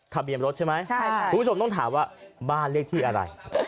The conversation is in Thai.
ทะเบียนรถใช่ไหมคุณผู้ชมต้องถามว่าบ้านเลขที่อะไร